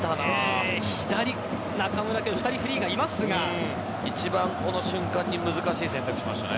２人、フリーがいますが一番この瞬間に難しい選択をしました。